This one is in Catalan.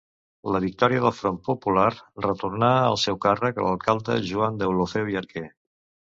La victòria del Front Popular retornà al seu càrrec a l'alcalde Joan Deulofeu i Arquer.